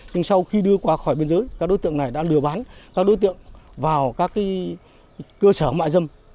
nhưng sau khi đưa qua khỏi biên giới các đối tượng này đã lừa bán các đối tượng vào các cơ sở mại dâm